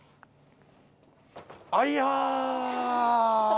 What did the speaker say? あいや。